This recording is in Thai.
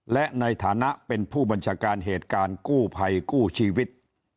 และในฐานะเป็นผู้บัญชาการเหตุการณ์กู้ภัยกู้ชีวิต